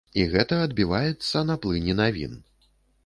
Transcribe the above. І гэта адбіваецца на плыні навін.